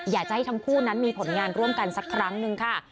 อยากจะให้ทั้งคู่นั้นมีผลงานร่วมกันสักครั้งหนึ่งค่ะ